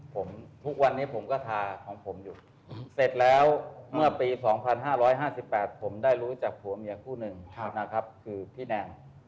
ผมทุกวันนี้ผมก็ทาของผมอยู่เสร็จแล้วเมื่อปี๒๕๕๘ผมได้รู้จักผัวเมียคู่หนึ่งนะครับคือพี่แนน